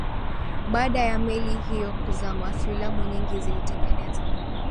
baada ya meli hiyo kuzama filamu nyingi zilitengenezwa